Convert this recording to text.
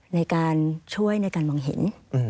ในการช่วยในการมองเห็น